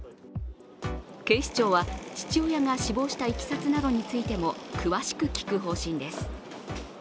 警視庁は、父親が死亡したいきさつなどについても詳しく聴く方針です。